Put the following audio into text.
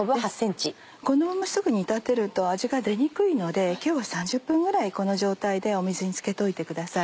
このまますぐ煮立てると味が出にくいので今日は３０分ぐらいこの状態で水に漬けておいてください。